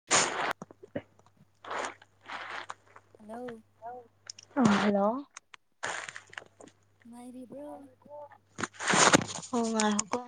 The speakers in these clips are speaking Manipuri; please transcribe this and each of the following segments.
[unintelligible] ꯍꯜꯂꯣ ꯑ ꯍꯜꯂꯣ ꯅꯨꯉꯥꯏꯔꯤꯕ꯭ꯔꯣ [unintelligible] ꯉꯥꯏꯈ‌ꯣꯀ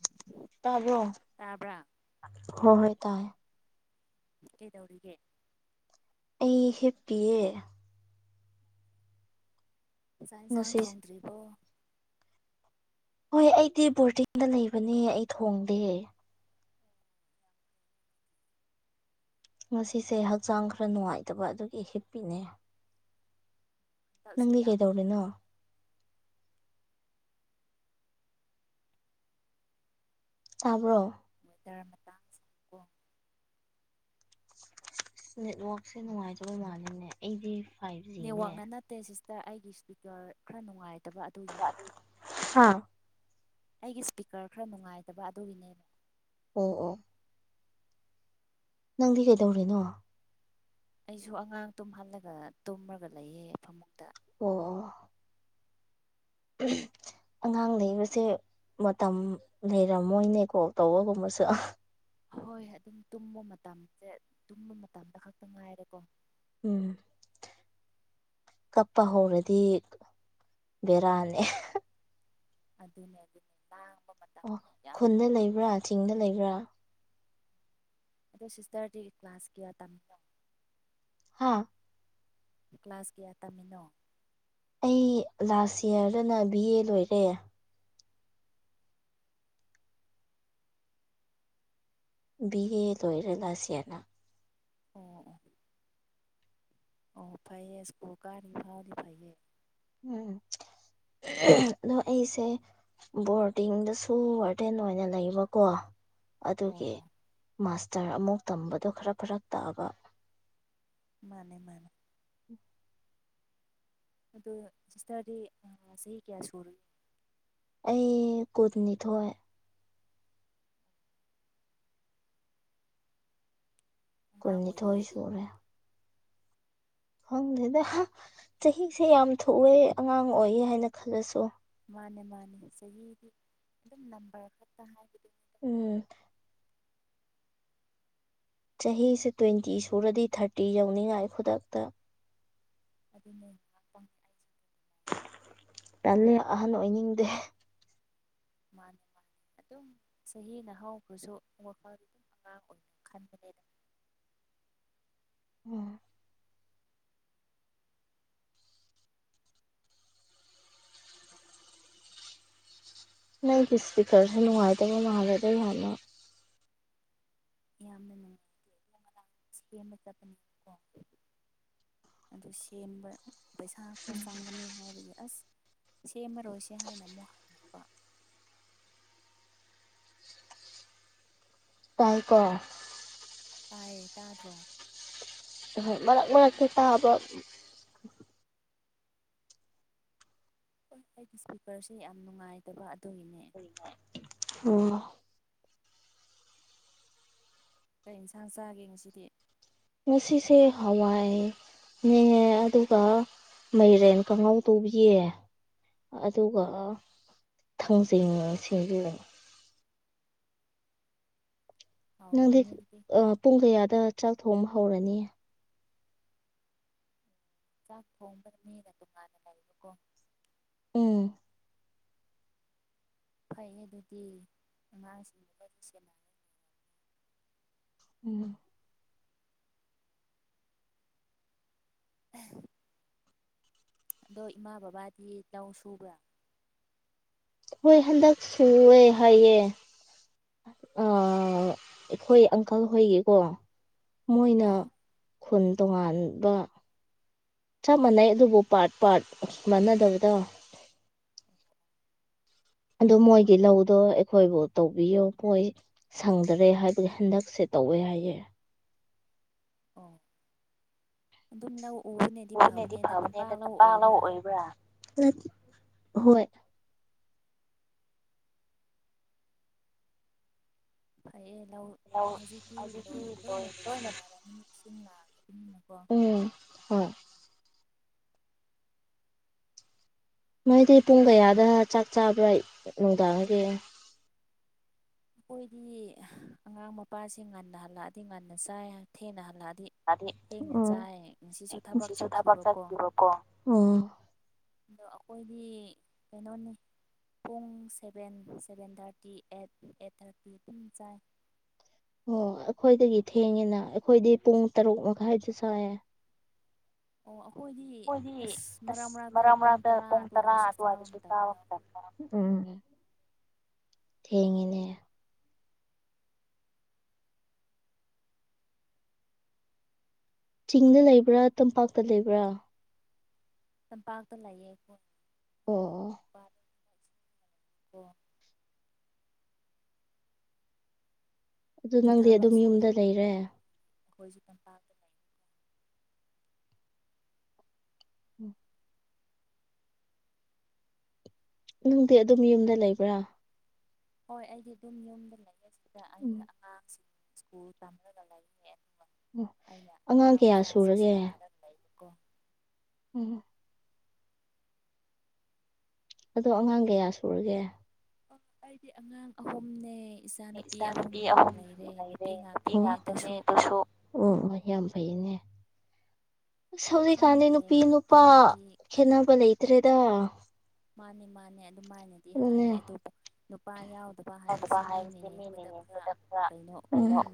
[unintelligible] ꯇꯥꯕ꯭ꯔ‌ꯣ ꯍ‌ꯣ ꯍꯣꯏ ꯇꯥꯏ ꯀꯩꯗꯧꯔꯤꯒꯦ ꯑꯩ ꯍꯤꯞꯄꯤꯌꯦ ꯆꯥꯛ ꯏꯟꯁꯥꯡ ꯊꯣꯡꯗ꯭ꯔꯤꯕꯣ ꯍꯣꯏ ꯑꯩꯗꯤ ꯕꯣꯔꯗꯤꯡꯗ ꯂꯩꯕꯅꯦ ꯑꯩ ꯊꯣꯡꯗꯦ ꯉꯁꯤꯁꯦ ꯍꯛꯆꯥꯡ ꯈꯔ ꯅꯨꯡꯉꯥꯏꯇꯕ ꯑꯗꯨꯒꯤ ꯍꯤꯞꯄꯤꯅꯦ ꯅꯪꯗꯤ ꯀꯩꯗꯧꯔꯤꯅꯣ ꯆꯥꯕ꯭ꯔꯣ ꯋꯦꯗꯔ ꯃꯇꯥꯡꯁꯤ ꯑꯁ ꯅꯦꯠꯋꯥꯛꯁꯦ ꯅꯨꯡꯉꯥꯏꯇꯕ ꯃꯥꯜꯂꯤꯅꯦ ꯑꯩꯗꯤ ꯐꯥꯏꯚ ꯖꯤꯅꯦ ꯇ‌ꯦ ꯁꯤꯁꯇꯔ ꯑꯩꯒꯤ ꯏꯁꯄꯤꯀꯔ ꯈꯔ ꯅꯨꯡꯉꯥꯏꯇꯕ ꯑꯗꯨꯒꯤ ꯑꯩꯒꯤ ꯏꯁ꯭ꯄꯤꯀꯔ ꯈꯔ ꯅꯨꯡꯉꯥꯏꯗꯕ ꯑꯗꯨꯒꯤꯅꯦꯕ ꯑꯣ ꯑꯣ ꯅꯪꯗꯤ ꯀꯩꯗꯧꯔꯤꯅꯣ ꯑꯩꯁꯨ ꯑꯉꯥꯡ ꯇꯨꯝꯍꯜꯂꯒ ꯇꯨꯝꯔꯒ ꯂꯩꯌꯦ ꯐꯃꯨꯡꯗ ꯑꯣ ꯑꯣ [unintelligible] ꯑꯉꯥꯡ ꯂꯩꯕꯁꯦ ꯃꯇꯝ ꯂꯩꯔꯝꯃꯣꯏꯅꯦ ꯀꯣꯜ ꯇꯧꯕꯒꯨꯝꯕꯁꯨ ꯍꯣꯏ ꯑꯗꯨꯝ ꯇꯨꯝꯕ ꯃꯇꯝꯖ‌ꯦ ꯇꯨꯝꯕ ꯃꯇꯝꯗ ꯈꯛꯇ ꯉꯥꯏꯔꯦꯀꯣ ꯎꯝ ꯀꯞꯄ ꯍꯧꯔꯗꯤ ꯕꯦꯔꯥꯅꯦ ꯑꯗꯨꯅꯦ ꯑꯗꯨꯅꯦ ꯂꯥꯡꯕ ꯃꯇꯝ ꯑꯣ ꯈꯨꯟꯗ ꯂꯩꯕ꯭ꯔꯥ ꯆꯤꯡꯗ ꯂꯩꯕ꯭ꯔꯥ ꯑꯗ ꯁꯤꯁꯇꯔꯗꯤ ꯀ꯭ꯂꯥꯁ ꯀꯌꯥ ꯇꯝꯕꯤ ꯍꯥꯥ ꯀ꯭ꯂꯥꯁ ꯀꯌꯥ ꯇꯝꯃꯤꯅꯣ ꯑꯩ ꯂꯥꯁ ꯌꯌꯥꯔꯗꯅ ꯕꯤ ꯑꯦ ꯂꯣꯏꯔꯦ ꯕꯤ ꯑꯦ ꯂꯣꯏꯔꯂꯁꯤꯦꯅ ꯑꯣ ꯑꯣ ꯐꯩꯌꯦ ꯁꯀꯨ ꯀꯥꯔꯤ ꯐꯥꯎꯂꯤ ꯐꯌꯦ ꯎꯝ ꯑꯗꯣ ꯑꯩꯁꯦ ꯕꯣꯔꯗꯤꯡꯗꯁꯨ ꯔꯗꯦꯟ ꯑꯣꯏꯅ ꯂꯩꯕꯀꯣ ꯑꯗꯨꯒꯤ ꯃꯥꯁꯇꯔ ꯑꯃꯨꯛ ꯇꯝꯕꯗꯣ ꯈꯔ ꯐꯔꯛ ꯇꯥꯕ ꯃꯥꯅꯦ ꯃꯥꯅꯦ ꯑꯗꯣ ꯁꯤꯁꯇ꯭ꯔꯗꯤ ꯎꯝ ꯆꯍꯤ ꯀꯌꯥ ꯁꯨꯔꯤ ꯑꯩ ꯀꯨꯟꯅꯤꯊꯣꯏ ꯀꯨꯟꯅꯤꯊꯣꯏ ꯁꯨꯔꯦ ꯈꯪꯗꯦꯗ ꯍꯥ ꯆꯍꯤꯁꯦ ꯌꯥꯝ ꯊꯨꯏꯌꯦ ꯑꯉꯥꯡ ꯑꯣꯏꯌꯦ ꯍꯥꯏꯅ ꯈꯜꯂꯁꯨ ꯃꯥꯅꯦ ꯃꯥꯅꯦ ꯆꯍꯤꯗꯤ ꯑꯗꯨꯝ ꯅꯝꯕꯔ ꯈꯛꯇ ꯍꯥꯏꯕꯗ ꯎꯝ ꯆꯍꯤꯁꯦ ꯇ꯭ꯌꯣꯏꯟꯇꯤ ꯁꯨꯔꯗꯤ ꯊꯥꯔꯇꯤ ꯌꯧꯅꯤꯡꯉꯥꯏ ꯈꯨꯗꯛꯇ ꯑꯗꯨꯅꯦ ꯑꯄꯪ ꯇꯂꯦ ꯑꯍꯥꯟ ꯅ ꯑꯣꯏꯅꯤꯡꯗꯦ ꯃꯥꯅꯤ ꯃꯥꯅꯤ ꯑꯗꯨꯝ ꯆꯍꯤ ꯅꯍꯥꯎꯈ꯭ꯔꯁꯨꯄ ꯑꯗꯨꯝ ꯉ ꯎꯟ ꯈꯥꯟꯗ ꯂꯩꯗ ꯎꯝ ꯅꯪꯒꯤ ꯏꯁꯄꯤꯀꯔꯁꯦ ꯅꯨꯡꯉꯥꯏꯇꯕ ꯃꯥꯜꯂꯗ ꯌꯥꯝꯥꯟꯅ ꯌꯥꯝꯅ ꯅꯨꯡꯉꯥꯏꯇꯦ ꯅꯃ ꯍꯤꯁꯇ꯭ꯔꯤ ꯑꯃ ꯆꯠꯄꯅꯤꯀꯣ ꯑꯗꯨ ꯁꯦꯝꯕ ꯄꯩꯁꯥ ꯈꯔ ꯆꯪꯒꯅꯤ ꯍꯥꯏꯕꯒꯤ ꯑꯁ ꯁꯦꯝꯃꯔꯣꯏꯁꯦ ꯍꯥꯏꯅ ꯑꯃꯨꯛ ꯇꯥꯏꯀꯣ ꯇꯥꯏꯌꯦ ꯇꯥꯗ꯭ꯔꯣ ꯍꯣꯏ ꯃꯔꯛ ꯃꯔꯛꯇꯁ ꯇꯥꯕ ꯍꯣꯏ ꯑꯩꯒꯤ ꯁ꯭ꯄꯤꯀ꯭ꯔꯁꯦ ꯌꯥꯝ ꯅꯨꯡꯉꯥꯏꯇꯕ ꯑꯗꯨꯒꯤꯅꯦ ꯀꯨꯟꯅꯤꯊꯣꯏ [inaudible] [unintelligible] ꯑꯣ ꯀꯩ ꯏꯟꯁꯥꯡ ꯆꯥꯒꯦ ꯉꯁꯤꯗꯤ ꯉꯁꯤꯁꯦ ꯍꯋꯥꯥꯏ ꯅꯦ ꯑꯗꯨꯒ ꯃꯥꯏꯔꯦꯟꯒ ꯉꯧꯗꯧꯕꯤꯌꯦ ꯑꯗꯨꯒ ꯊꯥꯡꯖꯤꯡ ꯁꯤꯡꯖꯨꯒ ꯅꯪꯗꯤ ꯑꯥ ꯄꯨꯡ ꯀꯌꯥꯗ ꯆꯥꯛ ꯊꯣꯡꯕ ꯍꯧꯔꯅꯤ ꯆꯥꯛ ꯊꯣꯡꯕ ꯃꯤꯅ ꯇꯨꯉꯥꯟꯅ ꯂꯩꯕꯀꯣ ꯎꯝ ꯐꯥꯏꯍꯦ ꯑꯗꯨꯗꯤ ꯉꯥꯡꯁꯤꯡꯗꯨꯃꯗꯤ ꯁꯦꯅ [unintelligible] [inaudible] ꯎꯝ ꯑꯍꯝ ꯑꯗꯣ ꯏꯃꯥ ꯕꯕꯥꯗꯤ ꯂꯧ ꯁꯨꯕ꯭ꯔꯥ ꯍꯣꯏ ꯍꯟꯗꯛ ꯁꯨꯋꯦ ꯍꯥꯏꯌꯦ ꯑꯥ ꯑꯩꯈꯣꯏ ꯑꯪꯀꯜ ꯍꯣꯏꯒꯤꯀꯣ ꯃꯣꯏꯅ ꯈꯨꯟ ꯇꯣꯉꯥꯟꯕ ꯆꯞ ꯃꯥꯟꯅꯩ ꯑꯗꯨꯕꯨ ꯄꯥꯔ꯭ꯠ ꯄꯥꯔ꯭ꯠ ꯃꯥꯟꯅꯗꯕꯗꯣ ꯑꯗꯨ ꯃꯣꯏꯒꯤ ꯂꯧꯗꯣ ꯑꯩꯈꯣꯏꯕꯨ ꯇꯧꯕꯤꯌꯣ ꯄꯣꯏ ꯁꯪꯗꯔꯦ ꯍꯥꯏꯕꯒꯤ ꯍꯟꯗꯛꯁꯦ ꯇꯧꯋꯦ ꯍꯥꯏꯌꯦ ꯑꯣ ꯑꯗꯨꯝ ꯂꯧ ꯎꯕꯅꯦꯗꯤ ꯐꯕꯅꯦꯗ ꯇꯝꯄꯥꯛ ꯂꯧ ꯑꯣꯏꯕ꯭ꯔꯥ ꯅꯠ ꯍꯣꯏ ꯐꯩꯌꯦ ꯂꯧ ꯍꯧꯖꯤꯛꯇꯤ ꯂꯣꯏ ꯂꯣꯏꯅ ꯄꯩꯁꯤꯟꯅꯔꯝꯃꯅꯤ ꯏꯁꯤꯡ ꯂꯥꯛꯑꯕꯅꯤꯅꯀꯣ ꯎꯝ ꯍꯣꯏ ꯅꯣꯏꯗꯤ ꯄꯨꯡ ꯀꯌꯥꯗ ꯆꯥꯛ ꯆꯥꯕ꯭ꯔꯥ ꯅꯨꯡꯗꯥꯡꯗꯤ ꯑꯈꯣꯏꯗꯤ ꯑꯉꯥꯡ ꯃꯄꯥꯁꯤ ꯉꯟꯅ ꯍꯜꯂꯛꯑꯗꯤ ꯉꯟꯅ ꯆꯥꯏ ꯍꯥꯏ ꯊꯦꯡꯅ ꯍꯜꯂꯛꯑꯗꯤ ꯊꯦꯡꯅ ꯆꯥꯏ ꯉꯁꯤꯁꯨ ꯊꯕꯛ ꯆꯠꯈꯤꯕꯀꯣ ꯑꯗꯣ ꯑꯈꯣꯏꯗꯤ ꯀꯩꯅꯣꯅꯤ ꯄꯨꯡ seven seven thirty eight eight thirty ꯄꯨꯡ ꯆꯥꯏ ꯑꯣ ꯑꯩꯈꯣꯏꯗꯒꯤ ꯊꯦꯡꯉꯦꯅ ꯑꯩꯈꯣꯏꯗꯤ ꯄꯨꯡ ꯇꯔꯨꯛ ꯃꯈꯥꯏꯗ ꯆꯥꯏꯌꯦ ꯑꯣ ꯑꯈꯣꯏꯗꯤ ꯑꯩꯈꯣꯏꯗꯤ ꯑꯁ ꯃꯔꯛ ꯃꯔꯛꯇ ꯄꯨꯡ ꯇꯔꯥ ꯑꯗꯨꯋꯥꯏꯗꯁꯨ ꯆꯥꯕ ꯃꯇꯝꯗ ꯎꯝ ꯊꯦꯡꯉꯤꯅꯦ ꯆꯤꯡꯗ ꯂꯩꯕ꯭ꯔꯥ ꯇꯝꯄꯥꯛꯇ ꯂꯩꯕ꯭ꯔꯥ ꯇꯝꯄꯥꯛꯇ ꯂꯩꯌꯦ ꯑꯩꯈꯣꯏ ꯑꯣ ꯑꯣ ꯑꯗꯨ ꯊꯕꯛ ꯁꯨꯔ ꯂꯩ ꯑꯩꯈꯣꯏꯁꯨ ꯇꯝꯄꯥꯛꯇ ꯎꯝ ꯅꯪꯗꯤ ꯑꯗꯨꯝ ꯌꯨꯝꯗ ꯂꯩꯕ꯭ꯔꯥ ꯍꯣꯏ ꯑꯩꯗꯤ ꯑꯗꯨꯝ ꯌꯨꯝꯗ ꯂꯩꯑꯦ ꯁꯤꯗ ꯑꯩꯩꯅ ꯑꯉꯥꯡꯁꯤꯡ ꯁ꯭ꯀꯨꯜ ꯇꯝꯂꯒ ꯂꯩꯕꯅꯦ ꯑꯅꯤꯃꯛ ꯑꯩꯅ ꯑꯉꯥꯡ ꯃꯆꯥꯁꯤ ꯁꯦꯟꯅꯔꯒ ꯂꯩꯕꯀꯣ ꯎꯝ ꯑꯗꯣ ꯑꯉꯥꯡ ꯀꯌꯥ ꯁꯨꯔꯒꯦ ꯑꯣ ꯑꯩꯗꯤ ꯑꯉꯥꯡ ꯑꯍꯨꯝꯅꯦ ꯏꯆꯥ ꯅꯨꯨꯄꯤ ꯑꯍꯨꯝ ꯂꯩꯔꯦ ꯅꯨꯄꯤ ꯉꯥꯛꯇꯅꯦ ꯑꯗꯨꯁꯨ ꯗꯨꯁꯨ ꯑꯣꯑꯣ ꯌꯥꯝ ꯐꯩꯌꯦꯅꯦ ꯑꯁ ꯍꯧꯖꯤꯛꯀꯥꯟꯗꯤ ꯅꯨꯄꯤ ꯅꯨꯄꯥ ꯈꯦꯠꯅꯕ ꯂꯩꯇ꯭ꯔꯦꯗꯥ ꯃꯥꯟꯅꯦ ꯃꯥꯟꯅꯦ ꯑꯗꯨꯃꯥꯏꯅꯗꯤ ꯍꯥꯏꯌꯦ ꯑꯗꯨꯕꯨ ꯅꯨꯄꯥ ꯌꯥꯎꯗ ꯅꯨꯄꯥ ꯍꯥꯏꯕꯁꯤ ꯃꯤꯅ ꯌꯦꯡꯕꯗ ꯈꯔ ꯀꯩꯅꯣ ꯑꯗꯨꯝ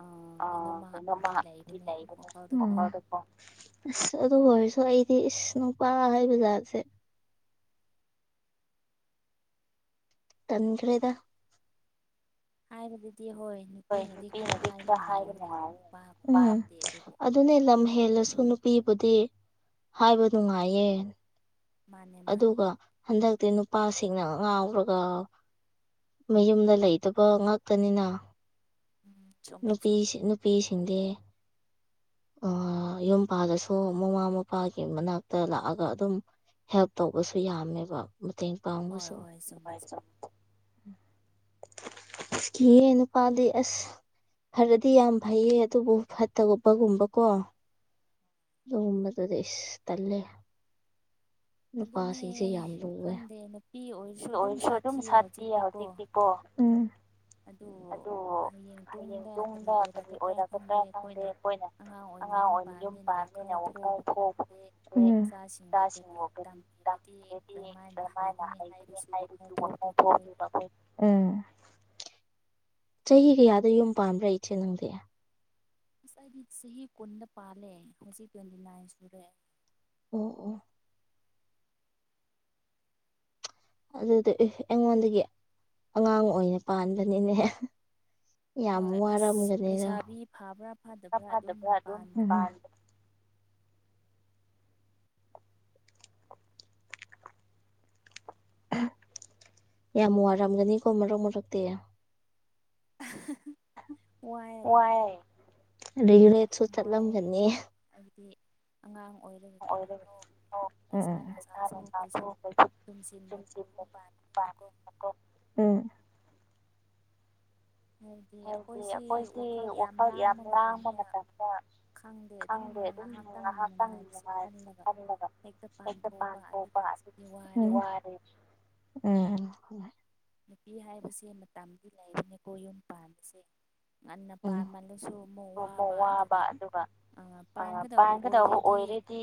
ꯑ ꯀꯩꯅꯣꯝꯃꯥꯗꯤ ꯂꯩꯕꯅꯦ ꯋꯥꯈꯜꯗꯀꯣ ꯑꯁ ꯑꯗꯨ ꯑꯣꯏꯔꯁꯨ ꯑꯩꯗꯤ ꯏꯁ ꯅꯨꯄꯥ ꯍꯥꯏꯕ ꯖꯥꯠꯁꯦ ꯇꯟꯈ‌‌꯭ꯔꯦꯗ ꯍꯥꯏꯕꯗꯗꯤ ꯍꯣꯏ ꯅꯨꯄꯤꯅꯗꯤ ꯈꯔ ꯍꯥꯏꯕ ꯅꯨꯡꯉꯥꯏꯌꯦ ꯅꯨꯄꯥꯒꯨꯝꯕ ꯅꯠꯇꯦ ꯑꯗꯨꯕꯨ ꯑꯗꯨꯅꯦ ꯂꯝ ꯍꯦꯜꯂꯁꯨ ꯅꯨꯄꯤꯕꯨꯗꯤ ꯍꯥꯏꯕ ꯅꯨꯡꯉꯥꯏꯌꯦ ꯑꯗꯨꯒ ꯍꯟꯗꯛꯇꯤ ꯅꯨꯄꯥꯁꯤꯡꯅ ꯉꯥꯎꯈ꯭ꯔꯒ ꯃꯌꯨꯝꯗ ꯂꯩꯇꯕ ꯉꯥꯛꯇꯅꯤꯅ ꯎꯝ ꯅꯨꯄꯤꯁꯤꯟ ꯅꯨꯄꯤꯁꯤꯡꯗꯤ ꯑ ꯌꯨꯝ ꯄꯥꯜꯂꯁꯨ ꯃꯃꯥ ꯃꯄꯥꯒꯤ ꯃꯅꯥꯛꯇ ꯂꯥꯛꯑꯒ ꯑꯗꯨꯝ ꯍꯦꯜꯞ ꯇꯧꯕꯁꯨ ꯌꯥꯝꯃꯦꯕ ꯃꯇꯦꯡ ꯄꯥꯡꯕꯁꯨ ꯀꯤꯌꯦ ꯅꯨꯄꯥꯥꯗꯤ ꯑꯁ ꯐꯔꯗꯤ ꯌꯥꯝ ꯐꯩꯌꯦ ꯑꯗꯨꯕꯨ ꯐꯠꯇꯒꯨꯝꯄꯒꯨꯝꯕꯀꯣ ꯑꯗꯨꯒꯨꯝꯕꯗꯨꯗꯤ ꯏꯁ ꯇꯜꯂꯦ ꯅꯨꯄꯥꯁꯤꯡꯁꯦ ꯌꯥꯝ ꯂꯨꯋꯦ ꯑꯗꯨ ꯑꯣꯏꯔꯁꯨ ꯑꯗꯨꯝ ꯁꯥꯠꯇꯤ ꯍꯧꯖꯤꯛꯇꯤꯀꯣ ꯎꯝ ꯑꯗꯣ ꯍꯌꯦꯡ ꯇꯨꯡꯗ ꯀꯔꯤ ꯑꯣꯏꯔꯛꯀꯗ꯭ꯔꯥ ꯈꯪꯗꯦ ꯑꯩꯈꯣꯏꯅ ꯑꯉꯥꯡ ꯑꯣꯏꯅ ꯌꯨꯝ ꯄꯥꯟꯗꯅ ꯋꯥꯈꯜ ꯊꯣꯛꯄ ꯉꯝ ꯀ [unintelligible] ꯏꯆꯥꯁꯤꯡꯕꯨ ꯀꯔꯤ ꯇꯝꯕꯤꯔꯗꯤ ꯀꯝꯃꯥꯏꯅ ꯍꯩꯒꯅꯤ ꯍꯥꯏꯕꯁꯨ ꯋꯥꯈꯜ ꯊꯣꯛ ꯎ [unintelligible] ꯎꯝ ꯆꯍꯤ ꯀꯌꯥꯗ ꯌꯨꯝ ꯄꯥꯟꯕ꯭ꯔꯥ ꯏꯆꯦ ꯅꯨꯡꯗꯤ ꯑꯁ ꯑꯩꯗꯤ ꯆꯍꯤ ꯀꯨꯟꯗ ꯄꯥꯜꯂꯦ ꯍꯧꯖꯤꯛ ꯇ꯭ꯋꯦꯟꯇꯤ ꯅꯥꯏꯟ ꯁꯨꯔꯦ ꯑꯣ ꯑꯣ ꯑꯗꯨꯗꯤ ꯑꯩꯉꯣꯟꯗꯒꯤ ꯑꯉꯥꯡ ꯑꯣꯏꯅ ꯄꯥꯟꯕꯅꯤꯅꯦ ꯌꯥꯝ ꯋꯥꯔꯝꯒꯅꯤꯗꯣ ꯐꯗꯕ꯭ꯔꯥ ꯑꯗꯨꯝ ꯌꯥꯝ ꯋꯥꯔꯝꯒꯅꯤꯀꯣ ꯃꯔꯛ ꯃꯔꯛꯇꯤ ꯋꯥꯌꯦ ꯑ ꯌꯅꯦꯠꯁꯨ ꯆꯠꯂꯝꯒꯅꯤ [inaudible] ꯍꯥꯏꯗꯤ ꯑꯉꯥꯡ ꯑꯣꯏꯔꯤꯕꯅꯤꯅ ꯄꯩꯁꯥ ꯅꯨꯡꯁꯥꯁꯨ ꯀꯩꯁꯨ ꯇꯨꯝꯁꯤꯟꯗꯅ ꯑꯗꯨꯝ ꯄꯥꯃꯤꯅꯀꯣ [inaudible] ꯎꯝ ꯍꯥꯏꯗꯤ ꯑꯩꯈꯣꯏꯗꯤ ꯋꯥꯈꯜ ꯌꯥꯝ ꯂꯥꯡꯕ ꯃꯇꯝꯗ ꯈꯪꯗꯦ ꯑꯗꯨꯝ ꯉꯥꯏꯍꯥꯛꯇꯪꯅꯨꯉꯥꯏꯔꯁꯨ ꯈꯟꯗꯕ ꯍꯦꯛ ꯄꯥꯟꯊꯣꯛꯕ ꯋꯥꯔꯦ ꯎꯝ ꯅꯨꯄꯤ ꯍꯥꯏꯕꯁꯦ ꯃꯇꯝꯗꯤ ꯂꯩꯕꯅꯦꯀꯣ ꯌꯨꯝ ꯄꯥꯟꯕꯁꯦ ꯉꯟꯅ ꯄꯥꯟꯕꯗꯨꯁꯨ ꯑꯃꯨꯛ ꯋꯥꯕ ꯑꯗꯨꯒ ꯄꯥꯟꯒꯗꯧꯕ ꯑꯣꯏꯔꯗꯤ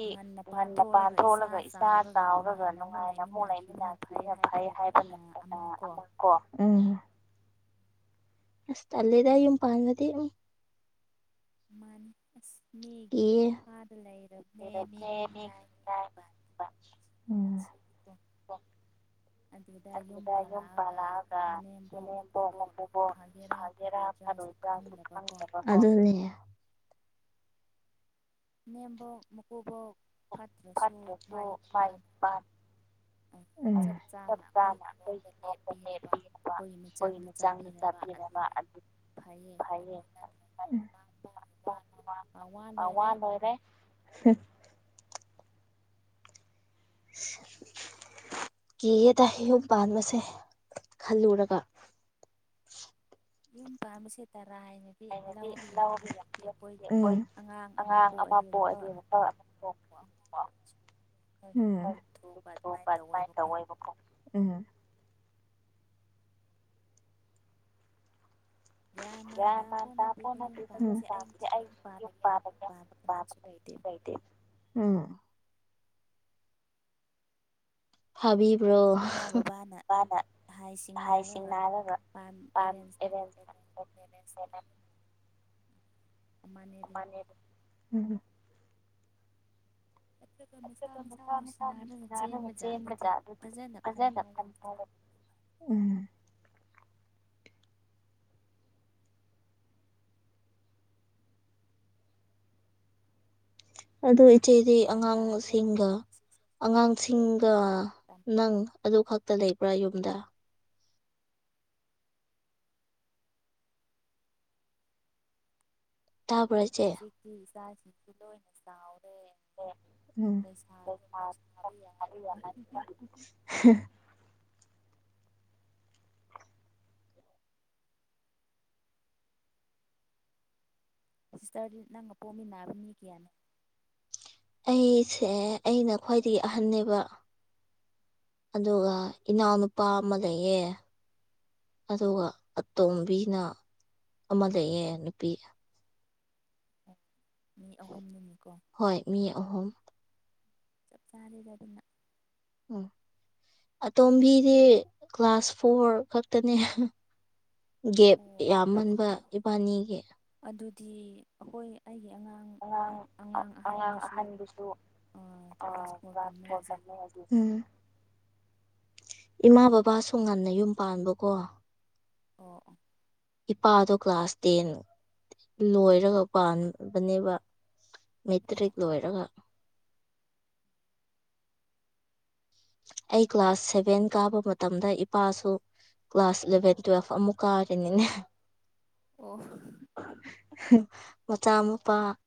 ꯉꯟꯅ ꯄꯥꯟꯊꯣꯛꯂꯒ ꯏꯆꯥ ꯆꯥꯎꯔꯒ ꯅꯨꯡꯉꯥꯏꯅ ꯑꯃꯨꯛ ꯂꯩꯃꯤꯟꯅꯈꯤꯕꯅ ꯐꯩ ꯍꯥꯏꯕꯅ ꯑꯃ ꯀꯣ ꯀꯣ ꯎꯝ ꯑꯁ ꯇꯜꯂꯦꯗ ꯌꯨꯝ ꯄꯥꯥꯟꯕꯗꯤ ꯃꯥꯅꯤ ꯑꯁ ꯃꯤꯒꯤ ꯃꯈꯥꯗ ꯂꯩꯔꯕꯅꯦ ꯃꯤꯒꯤ ꯏꯅꯥꯥꯏꯅꯦ ꯁꯤ [inaudible] ꯑꯗꯨꯗ ꯌꯨꯝ ꯄꯥꯜꯂꯛꯑꯒ ꯃꯅꯦꯝꯕꯣꯛ ꯃꯀꯨꯕꯣꯛ ꯐꯥꯒꯦꯔꯥ ꯐꯔꯣꯏꯖꯗ꯭ꯔꯥꯁꯨ ꯈꯪꯗꯕ ꯀꯣ ꯑꯗꯨꯅꯤꯅꯦ ꯃꯅꯦꯝꯕꯣꯛ ꯃꯀꯨꯕꯣꯛ ꯐꯠꯇ꯭ꯔꯁꯨ ꯃꯥꯒꯤ ꯅꯨꯄꯥꯅ ꯑꯣ ꯆꯞ ꯆꯥꯅ ꯑꯩꯈꯣꯏꯒꯤ ꯃꯥꯏꯌꯣꯡꯗ ꯂꯦꯞꯄꯤꯔꯕ ꯑꯩꯈꯣꯏꯒꯤ ꯃꯤꯆꯪꯗ ꯆꯪꯄꯤꯔꯕ ꯑꯗꯨꯗꯤ ꯐꯩꯌꯦ ꯑꯗꯨ ꯅꯠꯇ꯭ꯔꯦ ꯃꯥ ꯋꯥ ꯋꯥꯟ ꯑꯣꯏꯔꯦ [inaudible] ꯁꯠ [unintelligible] ꯀꯤꯌꯦꯗ ꯌꯨꯝ ꯄꯥꯟꯕꯁꯦ ꯈꯜꯂꯨꯔꯒ ꯌꯨꯝ ꯄꯥꯟꯕꯁꯦ ꯇꯔꯥꯏꯅ ꯁꯤ ꯂꯧꯕ ꯌꯥꯗꯦ ꯍꯥꯏꯗꯤ ꯑꯩꯈꯣꯏ ꯑꯉꯥꯡ ꯑꯃ ꯄꯣꯛꯑꯗꯤ ꯋꯥꯈꯜ ꯑꯃ ꯄꯣꯛꯑꯦ ꯎꯝꯊꯄ ꯑꯗꯨꯃꯥꯏꯅ ꯇꯧꯋꯦꯕꯀꯣ ꯎꯝ [inaudible] ꯌꯥ ꯃꯥꯥꯟ ꯇ [inaudible] ꯎꯝ ꯍꯥꯏꯕꯗꯤ ꯑꯩꯈꯣꯏ ꯏꯃꯥ ꯕꯕꯥꯅ ꯍꯥꯏꯅ ꯁꯤꯡꯅꯔꯒ ꯑꯦꯔꯦꯟꯖ ꯅꯤ ꯎꯝ [inaudible] ꯔꯖ ꯑꯗꯨ ꯃꯖꯅ ꯀꯝ ꯇꯦ [inaudible] ꯎꯝ ꯑꯗꯣ ꯏꯆꯦꯗꯤ ꯑꯉꯥꯡꯁꯤꯡꯒ ꯑꯉꯥꯡꯁꯤꯡꯒ ꯅꯪ ꯑꯗꯨ ꯈꯛꯇ ꯂꯩꯕ꯭ꯔꯥ ꯌꯨꯝꯗ ꯇꯥꯕ꯭ꯔ ꯏꯆꯦ ꯑꯗꯨ ꯏꯆꯥꯁꯤꯡꯁꯨ ꯂꯣꯏꯅ ꯆꯥꯎꯔꯦ ꯕꯁꯥ ꯃ ꯁꯥꯥꯕꯤ ꯌꯥ [unintelligible] ꯁꯤꯁꯇꯔꯗꯤ ꯅꯪ ꯑꯄꯣꯝꯃꯤꯟꯅꯅꯥꯕ ꯃꯤ ꯀꯌꯥꯅꯣ ꯑꯩꯁꯦ ꯑꯩꯅ ꯈ꯭ꯋꯥꯏꯗꯒꯤ ꯑꯍꯟꯅꯦꯕ ꯑꯗꯨꯒ ꯏꯅꯥꯎꯅꯨꯄꯥ ꯑꯃꯗꯌꯦ ꯑꯗꯨꯒ ꯑꯇꯣꯝꯕꯤꯅ ꯑꯃ ꯂꯩꯌꯦ ꯅꯨꯄꯤ ꯃꯤ ꯑꯍꯨꯝ ꯅꯨꯅꯤ ꯀꯣ ꯍꯣꯏ ꯃꯤ ꯑꯍꯨꯝ ꯆꯞ ꯆꯥꯔꯦꯗ ꯑꯗꯨꯅ ꯑ ꯑꯇꯣꯝꯕꯤꯗꯤ ꯀ꯭ꯂꯥꯁ ꯐꯣꯔ ꯈꯛꯇꯅꯦ ꯒꯦꯞ ꯌꯥꯝꯃꯟꯕ ꯏꯕꯥꯅꯤꯒꯤ ꯑꯗꯨꯗꯤ ꯑꯩꯈꯣꯏ ꯑꯩꯒꯤ ꯑꯉꯥꯡ ꯑꯉꯥꯡ ꯑꯍꯟꯗꯨꯁꯨ ꯑ ꯇ꯭ꯔꯥꯟꯁꯄꯣꯔꯠꯝ ꯍꯧꯖꯤꯛ ꯎꯝ ꯏꯃꯥ ꯕꯕꯥ ꯁ ꯉꯟꯅ ꯌꯨꯝ ꯄꯥꯟꯕꯀꯣ ꯑꯣ ꯑꯣ ꯏꯄꯥꯗꯣ ꯀ꯭ꯂꯥꯁ ꯇꯦꯟ ꯂꯣꯏꯔꯒ ꯄꯥꯟꯕꯅꯦꯕ ꯃꯦꯇ꯭ꯔꯤ ꯂꯣꯏꯔꯒ ꯑꯩ ꯀ꯭ꯂꯥꯁ ꯁꯦꯚꯦꯟ ꯀꯥꯕ ꯃꯇꯝꯗ ꯏꯄꯥꯁꯨ ꯀ꯭ꯂꯥꯁ ꯏꯂꯚꯦꯟ ꯇꯨꯋꯦꯜꯐ ꯑꯃꯨꯛ ꯀꯥꯔꯦꯅꯤꯅꯦ ꯑꯣ ꯃꯆꯥ ꯃꯨꯄꯥ